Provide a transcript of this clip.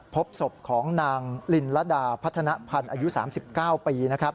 พบศพของนางลินละดาพัฒนาพันธ์อายุ๓๙ปี